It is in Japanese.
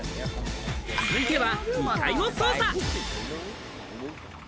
続いては２階を捜査。